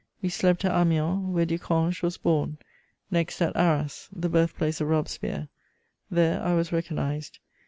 We slept at Amiens, where Du Cange was born; next at Arras, the birth place of Robespierre: there I was recognised.